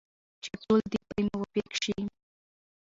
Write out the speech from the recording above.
چې ټول دې پرې موافق شي.